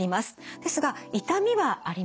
ですが痛みはありません。